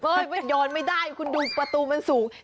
มันโยนไม่ได้คุณดูประตูมันสูง